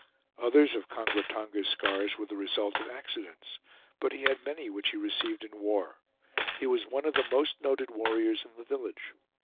Others of Kongra Tonga's scars were the result of accidents; but he had many which he received in war. He was one of the most noted warriors in the village.